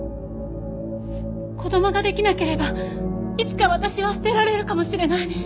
子供ができなければいつか私は捨てられるかもしれない。